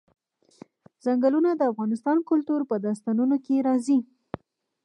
ځنګلونه د افغان کلتور په داستانونو کې راځي.